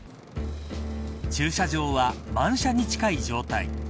駐車場は満車に近い状態。